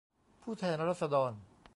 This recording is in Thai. ผู้แทนราษฎร